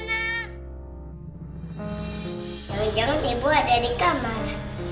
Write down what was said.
jangan jangan ibu ada di kamar